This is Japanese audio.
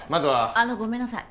あのごめんなさい。